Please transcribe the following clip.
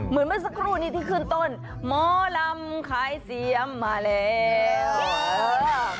มอลำคลายเสียงมาแล้วมอลำคลายเสียงมาแล้ว